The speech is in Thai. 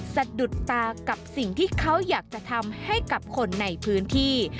สะดุดตากับสิ่งที่เขาอยากจะทำให้กับคนในพื้นที่